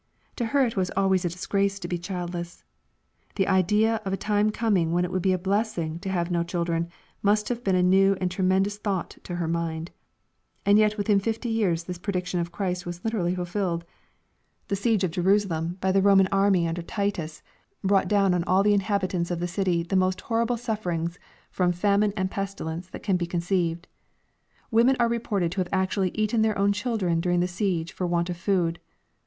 To her it was always a disgrace to be childless. The idea of a time coming when it would be a blessing to have no children, must have been a new and tremendous thought to her mind. And yet within fifty years this prediction of Christ was literally fulfilled I The siege of Jerusalem by the Roman army under Titus, brought down on all the inhabitants of the city the most horrible sufferings from famine* and 462 EXPOSITORY THOUGHTS. pestilence that can be conceived. Women are reported to liave actually eaten their own children during the fliege for want of food.